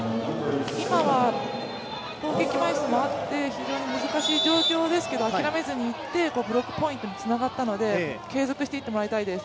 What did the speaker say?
今は攻撃枚数もあって非常に難しい状況ですけど諦めずにいって、ブロックポイントにつながったので継続していってもらいたいです。